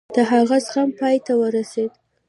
د هغه زغم پای ته ورسېد.